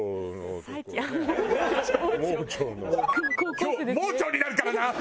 「今日盲腸になるからな」って。